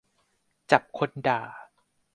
จับคนด่า